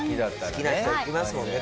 好きな人は行きますもんね